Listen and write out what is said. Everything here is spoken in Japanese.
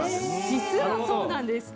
実は、そうなんです。